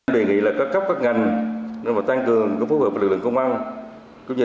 đề nghị là các ngành tăng cường phù hợp với lực lượng công an